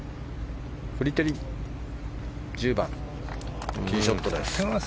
フリテリ、１０番ティーショットです。